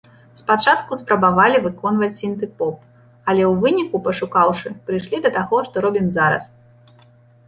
Спачатку спрабавалі выконваць сінты-поп, але ў выніку, пашукаўшы, прыйшлі да таго, што робім зараз.